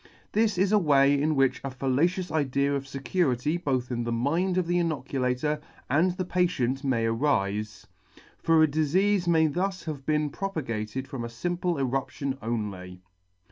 This is a way in which a fallacious idea of fecurity both in the mind of the inoculator and the patient may arife ; for a difeafe may thus have been propagated from a limple eruption only.